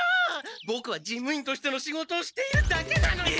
ボクは事務員としての仕事をしているだけなのに。